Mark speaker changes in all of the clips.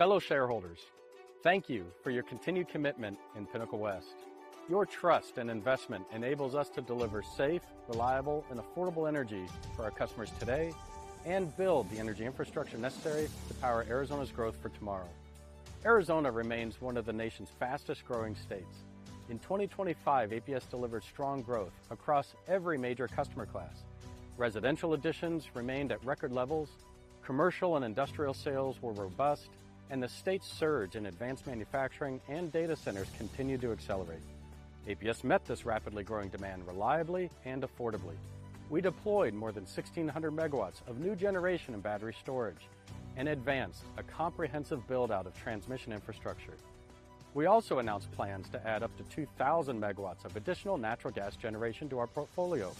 Speaker 1: Fellow shareholders, thank you for your continued commitment in Pinnacle West. Your trust and investment enables us to deliver safe, reliable, and affordable energy for our customers today and build the energy infrastructure necessary to power Arizona's growth for tomorrow. Arizona remains one of the nation's fastest-growing states. In 2025, APS delivered strong growth across every major customer class. Residential additions remained at record levels, commercial and industrial sales were robust, and the state's surge in advanced manufacturing and data centers continued to accelerate. APS met this rapidly growing demand reliably and affordably. We deployed more than 1,600 MW of new generation and battery storage and advanced a comprehensive build-out of transmission infrastructure. We also announced plans to add up to 2,000 MW of additional natural gas generation to our portfolio,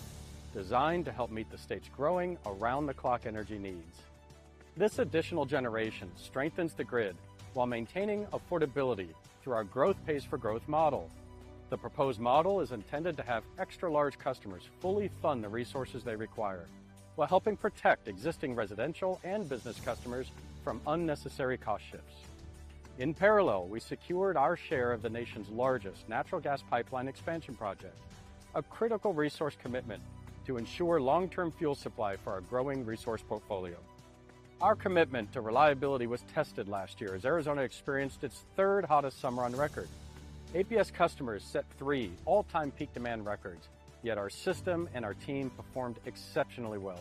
Speaker 1: designed to help meet the state's growing around-the-clock energy needs. This additional generation strengthens the grid while maintaining affordability through our growth pays for growth model. The proposed model is intended to have extra-large customers fully fund the resources they require while helping protect existing residential and business customers from unnecessary cost shifts. In parallel, we secured our share of the nation's largest natural gas pipeline expansion project, a critical resource commitment to ensure long-term fuel supply for our growing resource portfolio. Our commitment to reliability was tested last year as Arizona experienced its third-hottest summer on record. APS customers set three all-time peak demand records, yet our system and our team performed exceptionally well.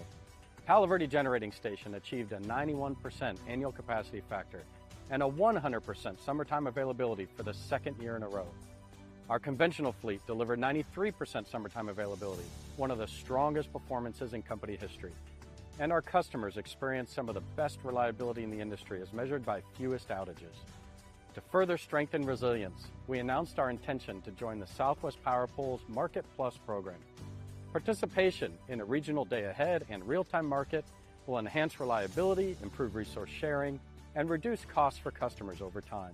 Speaker 1: Palo Verde Generating Station achieved a 91% annual capacity factor and a 100% summertime availability for the second year in a row. Our conventional fleet delivered 93% summertime availability, one of the strongest performances in company history. Our customers experienced some of the best reliability in the industry as measured by fewest outages. To further strengthen resilience, we announced our intention to join the Southwest Power Pool's Markets+ program. Participation in a regional day-ahead and real-time market will enhance reliability, improve resource sharing, and reduce costs for customers over time.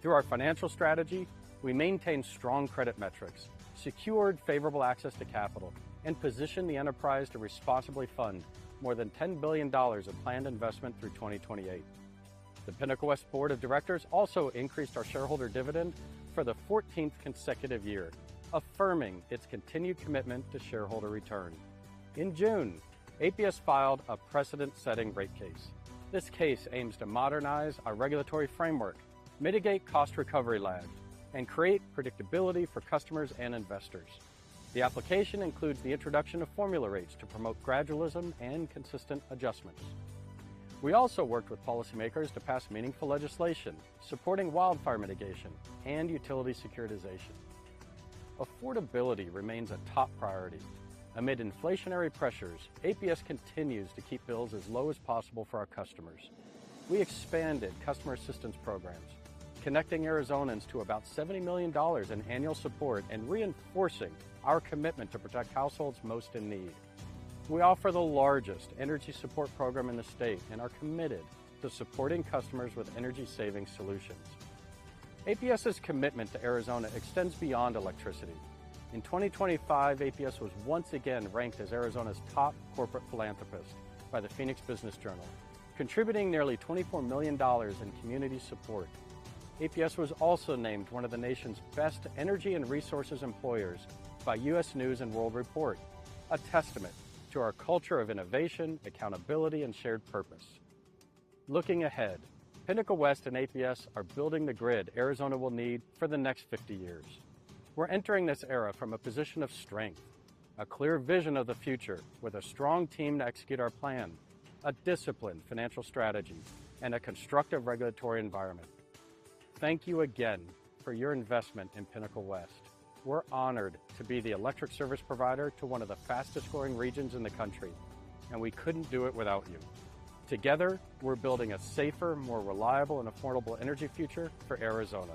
Speaker 1: Through our financial strategy, we maintain strong credit metrics, secured favorable access to capital, and positioned the enterprise to responsibly fund more than $10 billion of planned investment through 2028. The Pinnacle West board of directors also increased our shareholder dividend for the 14th consecutive year, affirming its continued commitment to shareholder return. In June, APS filed a precedent-setting rate case. This case aims to modernize our regulatory framework, mitigate cost recovery lag, and create predictability for customers and investors. The application includes the introduction of formula rates to promote gradualism and consistent adjustments. We also worked with policymakers to pass meaningful legislation supporting wildfire mitigation and utility securitization. Affordability remains a top priority. Amid inflationary pressures, APS continues to keep bills as low as possible for our customers. We expanded customer assistance programs, connecting Arizonans to about $70 million in annual support and reinforcing our commitment to protect households most in need. We offer the largest energy support program in the state and are committed to supporting customers with energy-saving solutions. APS's commitment to Arizona extends beyond electricity. In 2025, APS was once again ranked as Arizona's top corporate philanthropist by the Phoenix Business Journal, contributing nearly $24 million in community support. APS was also named one of the nation's best energy and resources employers by U.S. News & World Report, a testament to our culture of innovation, accountability, and shared purpose. Looking ahead, Pinnacle West and APS are building the grid Arizona will need for the next 50 years. We're entering this era from a position of strength, a clear vision of the future with a strong team to execute our plan, a disciplined financial strategy, and a constructive regulatory environment. Thank you again for your investment in Pinnacle West. We're honored to be the electric service provider to one of the fastest-growing regions in the country, and we couldn't do it without you. Together, we're building a safer, more reliable, and affordable energy future for Arizona.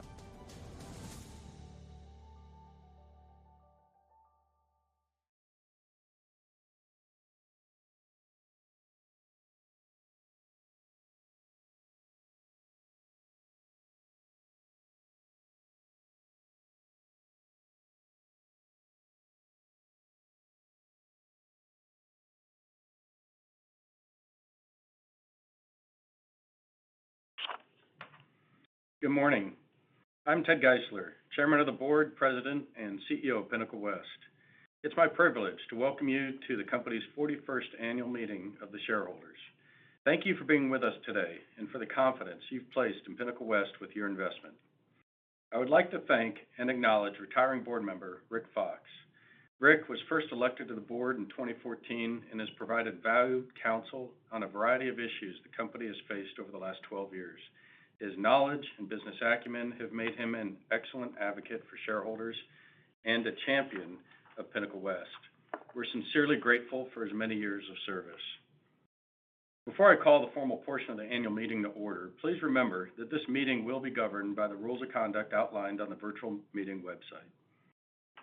Speaker 1: Good morning. I'm Theodore N. Geisler, Chairman of the Board, President, and CEO of Pinnacle West. It's my privilege to welcome you to the company's 41st annual meeting of the shareholders. Thank you for being with us today and for the confidence you've placed in Pinnacle West with your investment. I would like to thank and acknowledge retiring board member Rick Fox. Rick was first elected to the board in 2014 and has provided valued counsel on a variety of issues the company has faced over the last 12 years. His knowledge and business acumen have made him an excellent advocate for shareholders and a champion of Pinnacle West. We're sincerely grateful for his many years of service. Before I call the formal portion of the annual meeting to order, please remember that this meeting will be governed by the rules of conduct outlined on the virtual meeting website.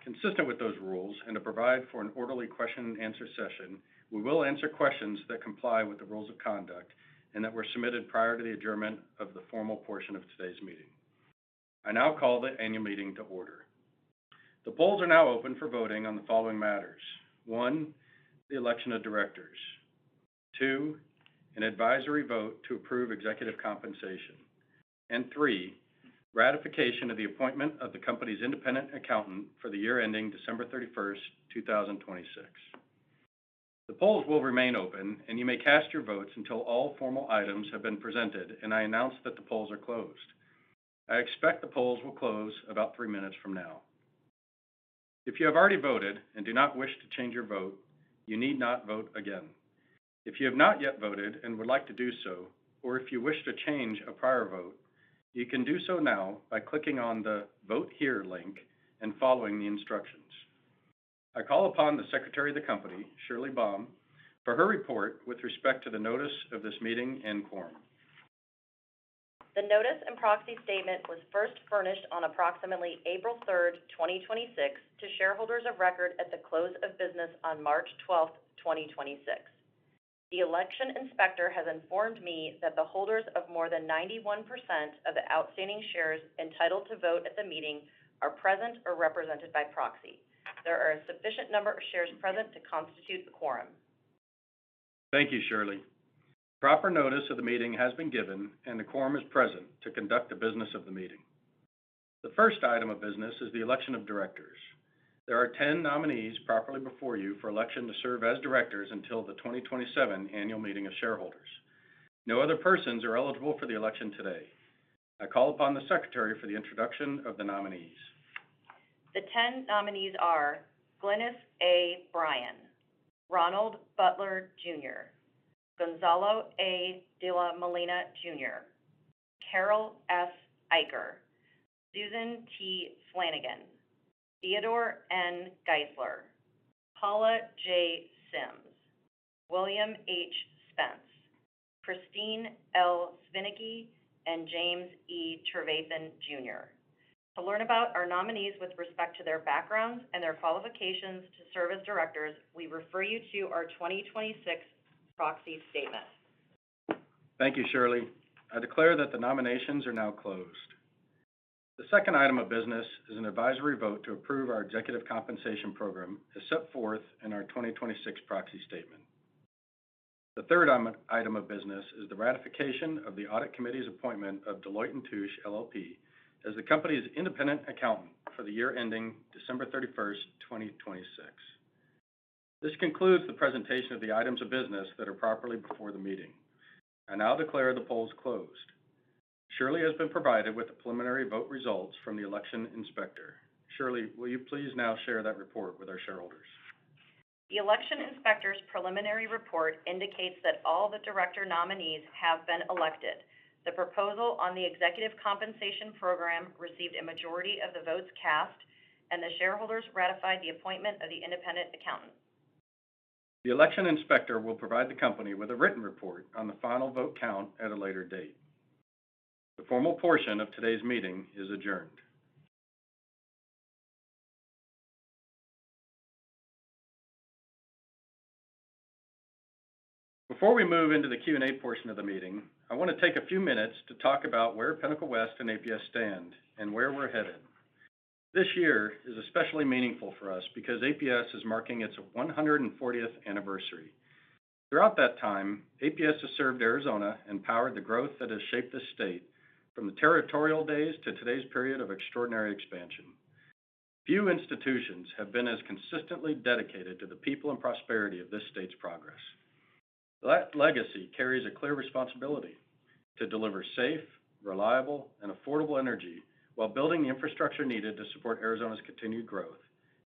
Speaker 1: Consistent with those rules, and to provide for an orderly question-and-answer session, we will answer questions that comply with the rules of conduct and that were submitted prior to the adjournment of the formal portion of today's meeting. I now call the annual meeting to order. The polls are now open for voting on the following matters. One, the election of directors. Two, an advisory vote to approve executive compensation. Three, ratification of the appointment of the company's independent accountant for the year ending December 31st, 2026. The polls will remain open, and you may cast your votes until all formal items have been presented, and I announce that the polls are closed. I expect the polls will close about three minutes from now. If you have already voted and do not wish to change your vote, you need not vote again. If you have not yet voted and would like to do so, or if you wish to change a prior vote, you can do so now by clicking on the Vote Here link and following the instructions. I call upon the Secretary of the company, Shirley Baum, for her report with respect to the notice of this meeting and quorum.
Speaker 2: The notice and proxy statement was first furnished on approximately April 3, 2026 to shareholders of record at the close of business on March 12th, 2026. The election inspector has informed me that the holders of more than 91% of the outstanding shares entitled to vote at the meeting are present or represented by proxy. There are a sufficient number of shares present to constitute the quorum.
Speaker 1: Thank you, Shirley. Proper notice of the meeting has been given, and the quorum is present to conduct the business of the meeting. The first item of business is the election of directors. There are 10 nominees properly before you for election to serve as directors until the 2027 annual meeting of shareholders. No other persons are eligible for the election today. I call upon the Secretary for the introduction of the nominees.
Speaker 2: The 10 nominees are Glynis A. Bryan, Ronald Butler Jr., Gonzalo A. de la Melena Jr., Carol S. Eicher, Susan T. Flanagan, Ted N. Geisler, Paula J. Sims, William H. Spence, Kristine L. Svinicki, and James E. Trevathan Jr. To learn about our nominees with respect to their backgrounds and their qualifications to serve as directors, we refer you to our 2026 proxy statement.
Speaker 1: Thank you, Shirley. I declare that the nominations are now closed. The second item of business is an advisory vote to approve our executive compensation program as set forth in our 2026 proxy statement. The third item of business is the ratification of the audit committee's appointment of Deloitte & Touche LLP as the company's independent accountant for the year ending December 31st, 2026. This concludes the presentation of the items of business that are properly before the meeting. I now declare the polls closed. Shirley has been provided with the preliminary vote results from the election inspector. Shirley, will you please now share that report with our shareholders?
Speaker 2: The election inspector's preliminary report indicates that all the director nominees have been elected. The proposal on the executive compensation program received a majority of the votes cast, and the shareholders ratified the appointment of the independent accountant.
Speaker 1: The election inspector will provide the company with a written report on the final vote count at a later date. The formal portion of today's meeting is adjourned. Before we move into the Q&A portion of the meeting, I want to take a few minutes to talk about where Pinnacle West and APS stand and where we're headed. This year is especially meaningful for us because APS is marking its 140th anniversary. Throughout that time, APS has served Arizona and powered the growth that has shaped the state from the territorial days to today's period of extraordinary expansion. Few institutions have been as consistently dedicated to the people and prosperity of this state's progress. That legacy carries a clear responsibility to deliver safe, reliable, and affordable energy while building the infrastructure needed to support Arizona's continued growth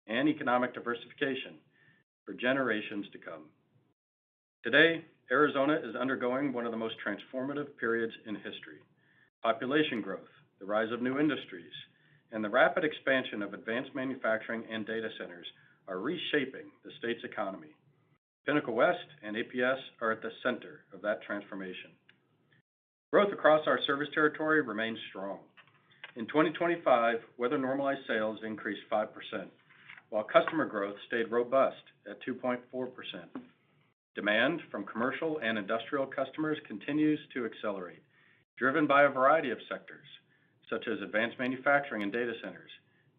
Speaker 1: and economic diversification for generations to come. Today, Arizona is undergoing one of the most transformative periods in history. Population growth, the rise of new industries, and the rapid expansion of advanced manufacturing and data centers are reshaping the state's economy. Pinnacle West and APS are at the center of that transformation. Growth across our service territory remains strong. In 2025, weather-normalized sales increased 5%, while customer growth stayed robust at 2.4%. Demand from commercial and industrial customers continues to accelerate, driven by a variety of sectors such as advanced manufacturing and data centers,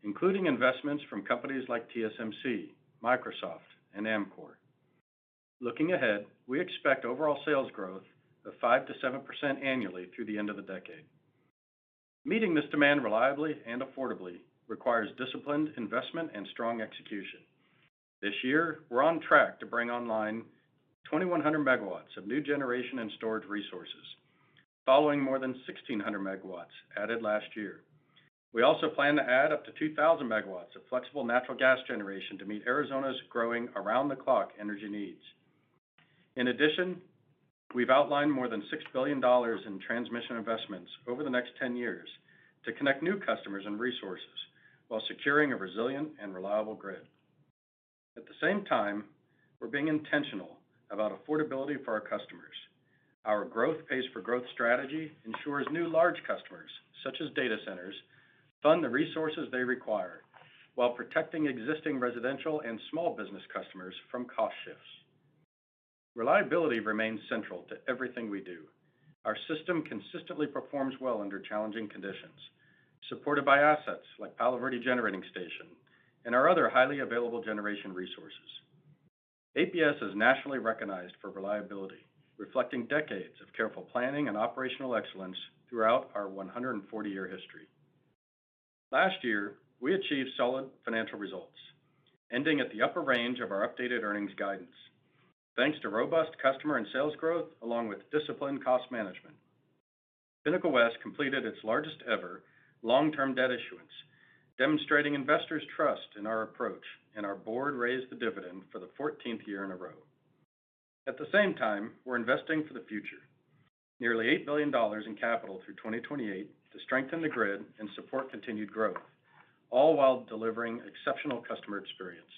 Speaker 1: including investments from companies like TSMC, Microsoft, and Amkor Technology. Looking ahead, we expect overall sales growth of 5%-7% annually through the end of the decade. Meeting this demand reliably and affordably requires disciplined investment and strong execution. This year, we're on track to bring online 2,100 MW of new generation and storage resources following more than 1,600 MW added last year. We also plan to add up to 2,000 MW of flexible natural gas generation to meet Arizona's growing around-the-clock energy needs. In addition, we've outlined more than $6 billion in transmission investments over the next 10 years to connect new customers and resources while securing a resilient and reliable grid. At the same time, we're being intentional about affordability for our customers. Our growth pays for growth strategy ensures new large customers, such as data centers, fund the resources they require while protecting existing residential and small business customers from cost shifts. Reliability remains central to everything we do. Our system consistently performs well under challenging conditions, supported by assets like Palo Verde Generating Station and our other highly available generation resources. APS is nationally recognized for reliability, reflecting decades of careful planning and operational excellence throughout our 140-year history. Last year, we achieved solid financial results, ending at the upper range of our updated earnings guidance thanks to robust customer and sales growth, along with disciplined cost management. Pinnacle West completed its largest-ever long-term debt issuance, demonstrating investors' trust in our approach, and our board raised the dividend for the 14th year in a row. At the same time, we're investing for the future, nearly $8 billion in capital through 2028 to strengthen the grid and support continued growth, all while delivering exceptional customer experience.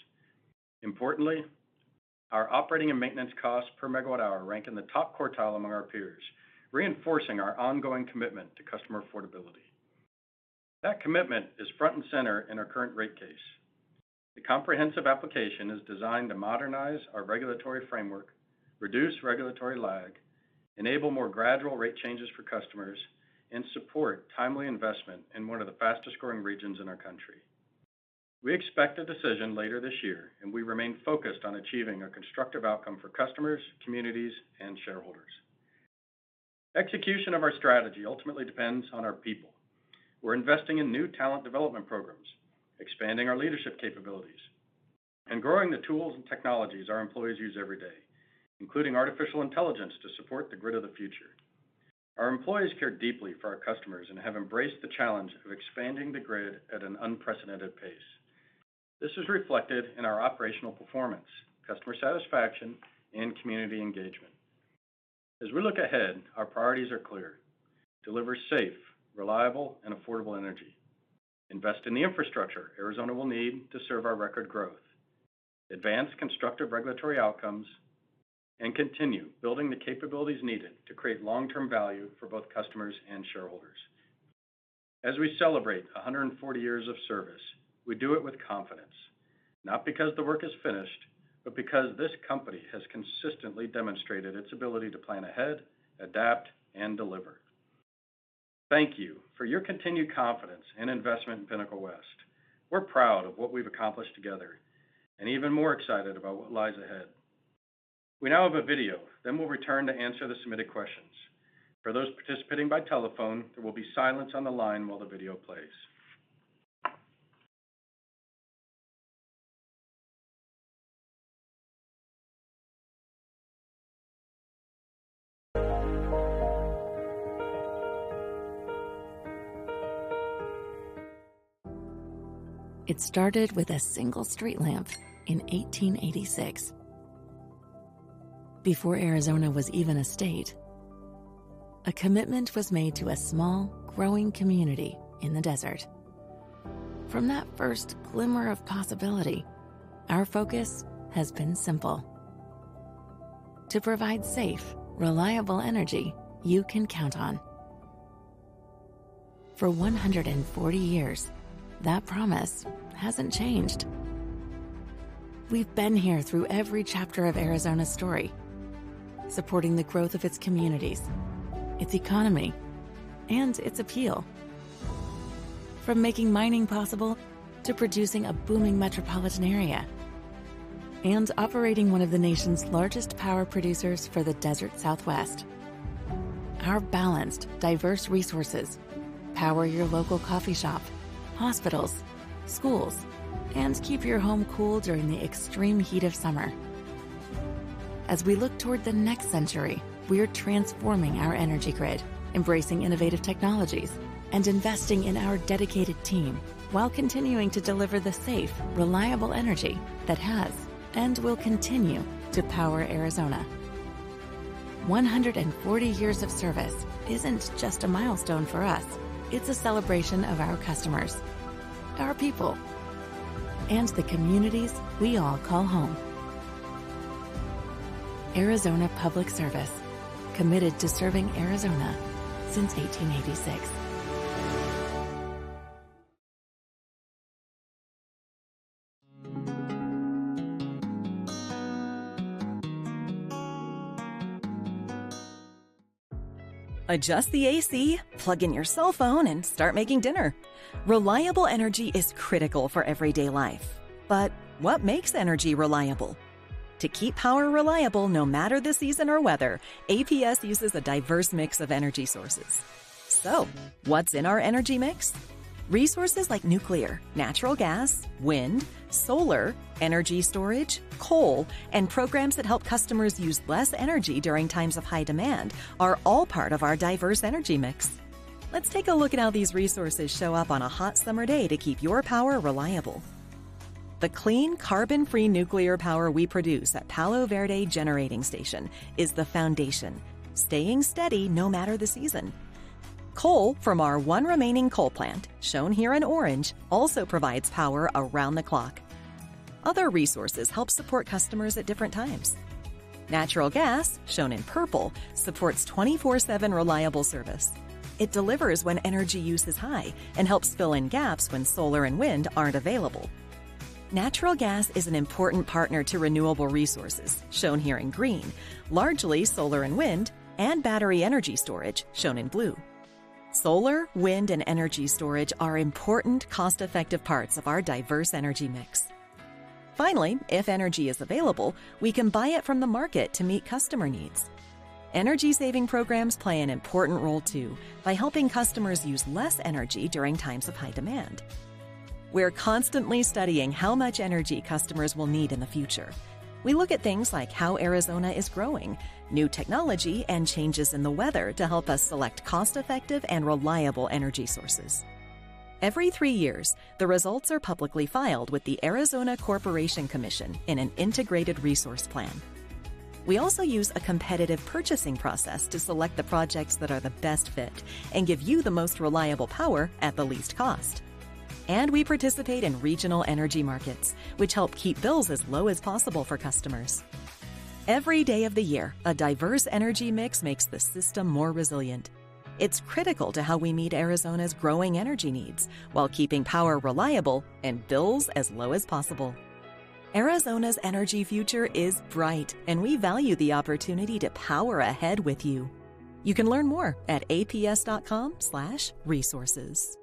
Speaker 1: Importantly, our operating and maintenance costs per MWh rank in the top quartile among our peers, reinforcing our ongoing commitment to customer affordability. That commitment is front and center in our current rate case. The comprehensive application is designed to modernize our regulatory framework, reduce regulatory lag, enable more gradual rate changes for customers, and support timely investment in one of the fastest-growing regions in our country. We expect a decision later this year, and we remain focused on achieving a constructive outcome for customers, communities, and shareholders. Execution of our strategy ultimately depends on our people. We're investing in new talent development programs, expanding our leadership capabilities, and growing the tools and technologies our employees use every day, including artificial intelligence to support the grid of the future. Our employees care deeply for our customers and have embraced the challenge of expanding the grid at an unprecedented pace. This is reflected in our operational performance, customer satisfaction, and community engagement. As we look ahead, our priorities are clear: deliver safe, reliable, and affordable energy, invest in the infrastructure Arizona will need to serve our record growth, advance constructive regulatory outcomes, and continue building the capabilities needed to create long-term value for both customers and shareholders. As we celebrate 140 years of service, we do it with confidence. Not because the work is finished, but because this company has consistently demonstrated its ability to plan ahead, adapt, and deliver. Thank you for your continued confidence and investment in Pinnacle West. We're proud of what we've accomplished together and even more excited about what lies ahead. We now have a video, then we'll return to answer the submitted questions. For those participating by telephone, there will be silence on the line while the video plays.
Speaker 3: It started with a single streetlamp in 1886. Before Arizona was even a state, a commitment was made to a small, growing community in the desert. From that first glimmer of possibility, our focus has been simple: to provide safe, reliable energy you can count on. For 140 years, that promise hasn't changed. We've been here through every chapter of Arizona's story, supporting the growth of its communities, its economy, and its appeal. From making mining possible to producing a booming metropolitan area and operating one of the nation's largest power producers for the desert Southwest, our balanced, diverse resources power your local coffee shop, hospitals, schools, and keep your home cool during the extreme heat of summer. As we look toward the next century, we are transforming our energy grid, embracing innovative technologies, and investing in our dedicated team while continuing to deliver the safe, reliable energy that has and will continue to power Arizona. 140 years of service isn't just a milestone for us. It's a celebration of our customers, our people, and the communities we all call home. Arizona Public Service, committed to serving Arizona since 1886. Adjust the AC, plug in your cellphone, and start making dinner. Reliable energy is critical for everyday life. What makes energy reliable? To keep power reliable, no matter the season or weather, APS uses a diverse mix of energy sources. What's in our energy mix? Resources like nuclear, natural gas, wind, solar, energy storage, coal, and programs that help customers use less energy during times of high demand are all part of our diverse energy mix. Let's take a look at how these resources show up on a hot summer day to keep your power reliable. The clean, carbon-free nuclear power we produce at Palo Verde Generating Station is the foundation, staying steady no matter the season. Coal from our one remaining coal plant, shown here in orange, also provides power around the clock. Other resources help support customers at different times. Natural gas, shown in purple, supports 24/7 reliable service. It delivers when energy use is high and helps fill in gaps when solar and wind aren't available. Natural gas is an important partner to renewable resources, shown here in green, largely solar and wind, and battery energy storage, shown in blue. Solar, wind, and energy storage are important cost-effective parts of our diverse energy mix. If energy is available, we can buy it from the market to meet customer needs. Energy saving programs play an important role too by helping customers use less energy during times of high demand. We're constantly studying how much energy customers will need in the future. We look at things like how Arizona is growing, new technology, and changes in the weather to help us select cost-effective and reliable energy sources. Every three years, the results are publicly filed with the Arizona Corporation Commission in an Integrated Resource Plan. We also use a competitive purchasing process to select the projects that are the best fit and give you the most reliable power at the least cost. We participate in regional energy markets, which help keep bills as low as possible for customers. Every day of the year, a diverse energy mix makes the system more resilient. It's critical to how we meet Arizona's growing energy needs while keeping power reliable and bills as low as possible. Arizona's energy future is bright, and we value the opportunity to power ahead with you. You can learn more at aps.com/resources.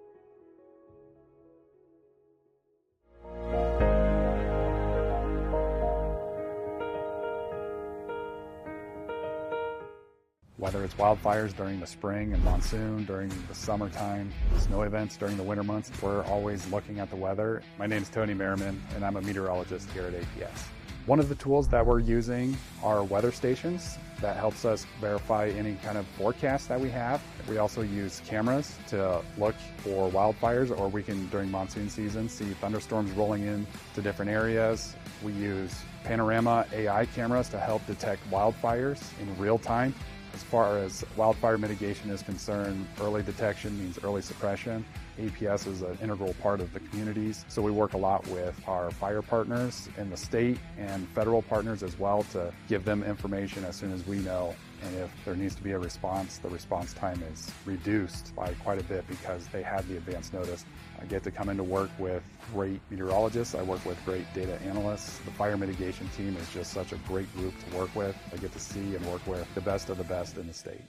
Speaker 4: Whether it's wildfires during the spring and monsoon, during the summertime, snow events during the winter months, we're always looking at the weather. My name's Tony Merriman. I'm a meteorologist here at APS. One of the tools that we're using are weather stations that helps us verify any kind of forecast that we have. We also use cameras to look for wildfires, or we can, during monsoon season, see thunderstorms rolling in to different areas. We use Pano AI cameras to help detect wildfires in real time. As far as wildfire mitigation is concerned, early detection means early suppression. APS is an integral part of the communities. We work a lot with our fire partners and the state and federal partners as well to give them information as soon as we know. If there needs to be a response, the response time is reduced by quite a bit because they have the advance notice. I get to come into work with great meteorologists. I work with great data analysts. The fire mitigation team is just such a great group to work with. I get to see and work with the best of the best in the state.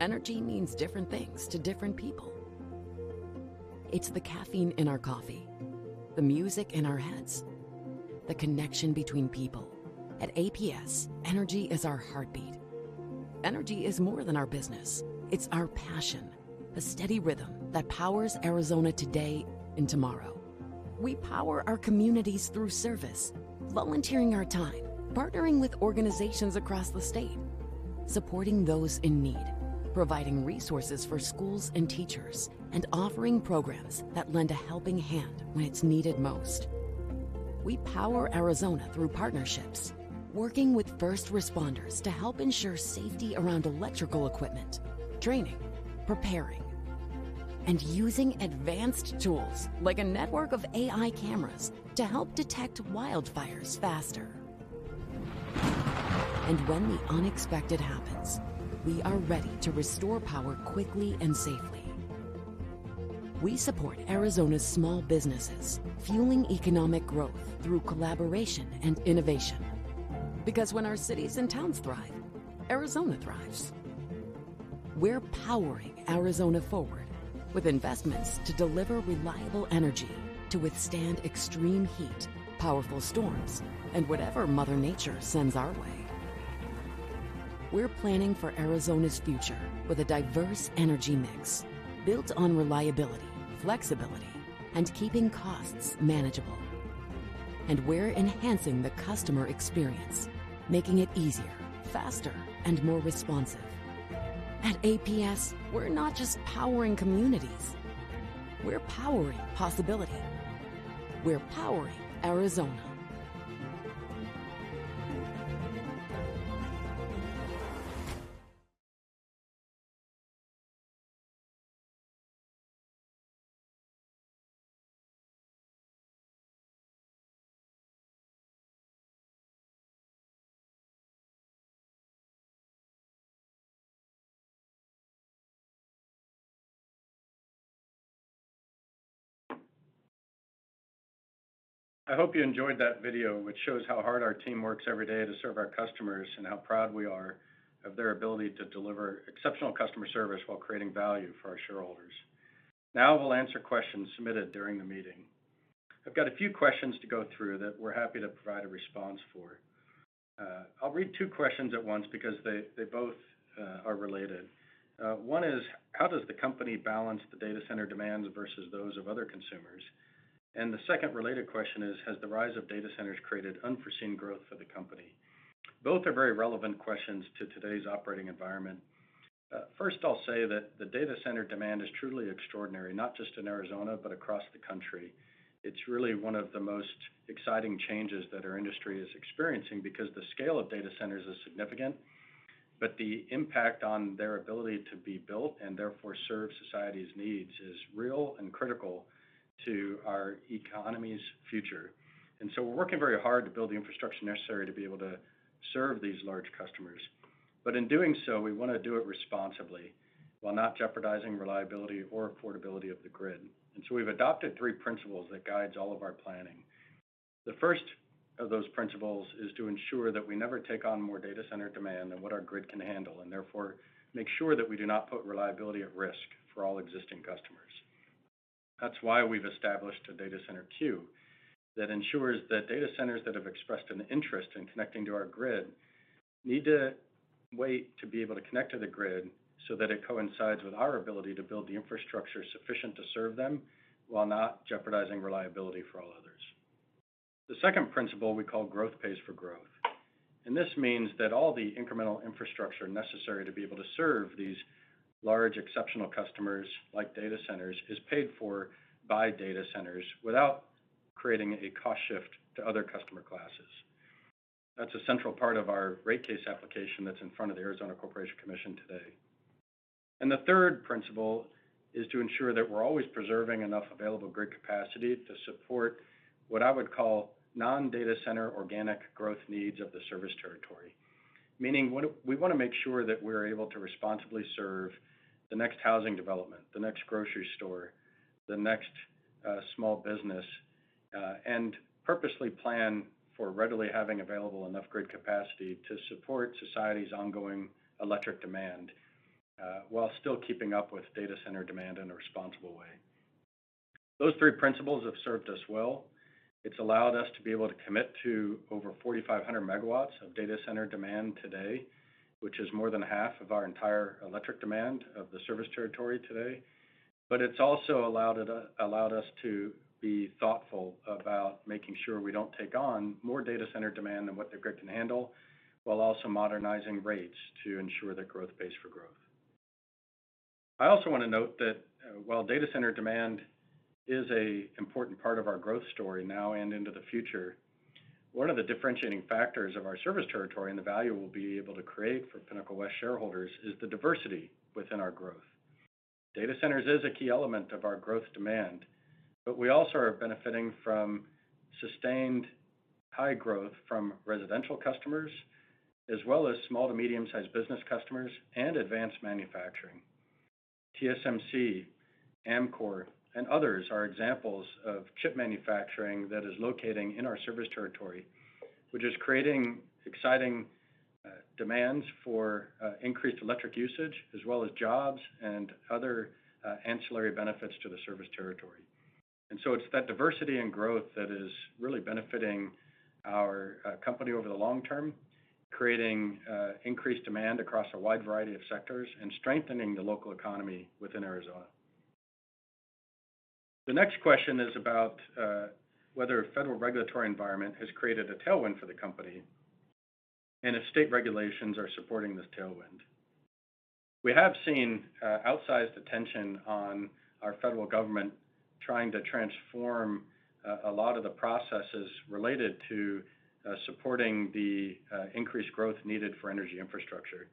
Speaker 3: Energy means different things to different people. It's the caffeine in our coffee, the music in our heads, the connection between people. At APS, energy is our heartbeat. Energy is more than our business. It's our passion, a steady rhythm that powers Arizona today and tomorrow. We power our communities through service, volunteering our time, partnering with organizations across the state, supporting those in need, providing resources for schools and teachers, and offering programs that lend a helping hand when it's needed most. We power Arizona through partnerships, working with first responders to help ensure safety around electrical equipment, training, preparing, and using advanced tools like a network of AI cameras to help detect wildfires faster. When the unexpected happens, we are ready to restore power quickly and safely. We support Arizona's small businesses, fueling economic growth through collaboration and innovation. When our cities and towns thrive, Arizona thrives. We're powering Arizona forward with investments to deliver reliable energy to withstand extreme heat, powerful storms, and whatever Mother Nature sends our way. We're planning for Arizona's future with a diverse energy mix built on reliability, flexibility, and keeping costs manageable. We're enhancing the customer experience, making it easier, faster, and more responsive. At APS, we're not just powering communities. We're powering possibility. We're powering Arizona.
Speaker 1: I hope you enjoyed that video which shows how hard our team works every day to serve our customers and how proud we are of their ability to deliver exceptional customer service while creating value for our shareholders. We'll answer questions submitted during the meeting. I've got a few questions to go through that we're happy to provide a response for. I'll read two questions at once because they both are related. One is, "How does the company balance the data center demands versus those of other consumers?" The second related question is, "Has the rise of data centers created unforeseen growth for the company?" Both are very relevant questions to today's operating environment. First I'll say that the data center demand is truly extraordinary, not just in Arizona, but across the country. It's really one of the most exciting changes that our industry is experiencing because the scale of data centers is significant. The impact on their ability to be built and therefore serve society's needs is real and critical to our economy's future. We're working very hard to build the infrastructure necessary to be able to serve these large customers. In doing so, we wanna do it responsibly while not jeopardizing reliability or affordability of the grid. We've adopted three principles that guides all of our planning. The first of those principles is to ensure that we never take on more data center demand than what our grid can handle, and therefore make sure that we do not put reliability at risk for all existing customers. That's why we've established a data center queue that ensures that data centers that have expressed an interest in connecting to our grid need to wait to be able to connect to the grid so that it coincides with our ability to build the infrastructure sufficient to serve them while not jeopardizing reliability for all others. The second principle we call growth pays for growth. This means that all the incremental infrastructure necessary to be able to serve these large exceptional customers, like data centers, is paid for by data centers without creating a cost shift to other customer classes. That's a central part of our rate case application that's in front of the Arizona Corporation Commission today. The third principle is to ensure that we're always preserving enough available grid capacity to support what I would call non-data center organic growth needs of the service territory. Meaning, we want to make sure that we're able to responsibly serve the next housing development, the next grocery store, the next small business, and purposely plan for readily having available enough grid capacity to support society's ongoing electric demand, while still keeping up with data center demand in a responsible way. Those three principles have served us well. It's allowed us to be able to commit to over 4,500 MW of data center demand today, which is more than half of our entire electric demand of the service territory today. It's also allowed us to be thoughtful about making sure we don't take on more data center demand than what the grid can handle, while also modernizing rates to ensure that growth pays for growth. I also wanna note that, while data center demand is a important part of our growth story now and into the future, one of the differentiating factors of our service territory and the value we'll be able to create for Pinnacle West shareholders is the diversity within our growth. Data centers is a key element of our growth demand, but we also are benefiting from sustained high growth from residential customers as well as small to medium-sized business customers and advanced manufacturing. TSMC, Amkor, and others are examples of chip manufacturing that is locating in our service territory, which is creating exciting demands for increased electric usage as well as jobs and other ancillary benefits to the service territory. It's that diversity and growth that is really benefiting our company over the long term, creating increased demand across a wide variety of sectors and strengthening the local economy within Arizona. The next question is about whether a federal regulatory environment has created a tailwind for the company and if state regulations are supporting this tailwind. We have seen outsized attention on our federal government trying to transform a lot of the processes related to supporting the increased growth needed for energy infrastructure.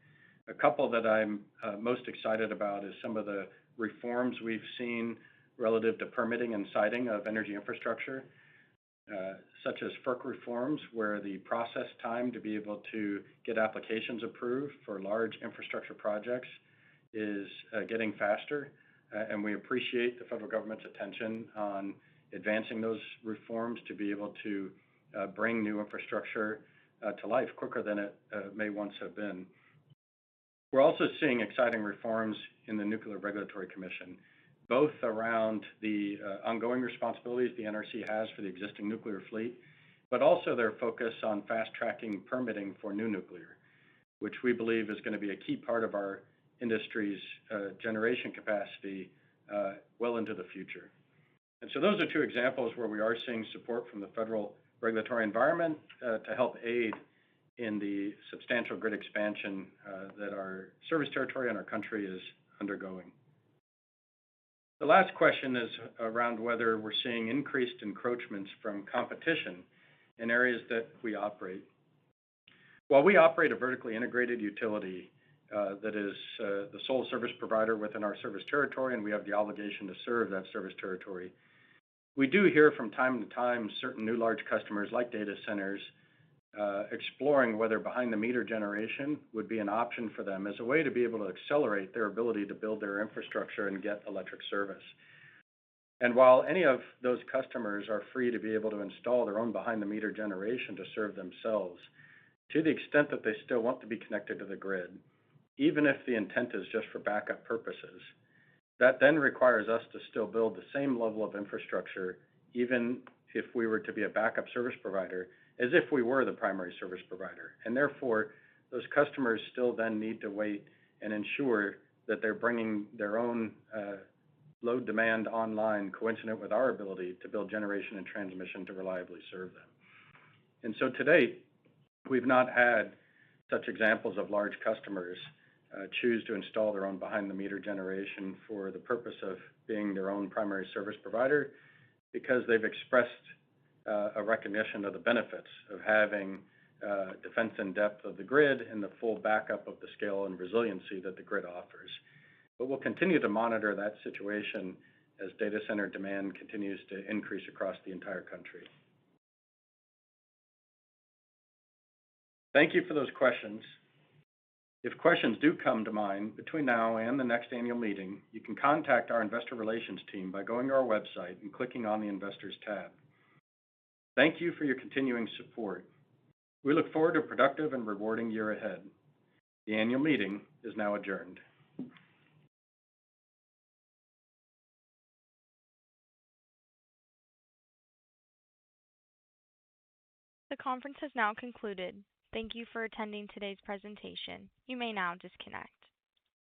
Speaker 1: A couple that I'm most excited about is some of the reforms we've seen relative to permitting and siting of energy infrastructure, such as FERC reforms, where the process time to be able to get applications approved for large infrastructure projects is getting faster. We appreciate the federal government's attention on advancing those reforms to be able to bring new infrastructure to life quicker than it may once have been. We're also seeing exciting reforms in the Nuclear Regulatory Commission, both around the ongoing responsibilities the NRC has for the existing nuclear fleet, but also their focus on fast-tracking permitting for new nuclear, which we believe is gonna be a key part of our industry's generation capacity well into the future. Those are two examples where we are seeing support from the federal regulatory environment to help aid in the substantial grid expansion that our service territory and our country is undergoing. The last question is around whether we're seeing increased encroachments from competition in areas that we operate. While we operate a vertically integrated utility that is the sole service provider within our service territory and we have the obligation to serve that service territory, we do hear from time to time certain new large customers like data centers exploring whether behind-the-meter generation would be an option for them as a way to be able to accelerate their ability to build their infrastructure and get electric service. While any of those customers are free to be able to install their own behind-the-meter generation to serve themselves, to the extent that they still want to be connected to the grid, even if the intent is just for backup purposes, that then requires us to still build the same level of infrastructure, even if we were to be a backup service provider, as if we were the primary service provider. Those customers still then need to wait and ensure that they're bringing their own load demand online coincident with our ability to build generation and transmission to reliably serve them. To date, we've not had such examples of large customers choose to install their own behind-the-meter generation for the purpose of being their own primary service provider because they've expressed a recognition of the benefits of having defense in depth of the grid and the full backup of the scale and resiliency that the grid offers. We'll continue to monitor that situation as data center demand continues to increase across the entire country. Thank you for those questions. If questions do come to mind between now and the next annual meeting, you can contact our investor relations team by going to our website and clicking on the investors tab. Thank you for your continuing support. We look forward to a productive and rewarding year ahead. The annual meeting is now adjourned.
Speaker 5: The conference has now concluded. Thank you for attending today's presentation. You may now disconnect.